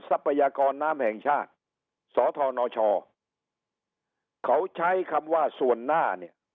ทรัพยากรน้ำแห่งชาติสธนชเขาใช้คำว่าส่วนหน้าเนี่ย